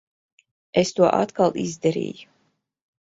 Es to atkal izdarīju.